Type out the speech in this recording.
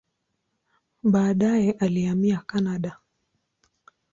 Baadaye alihamia Kanada.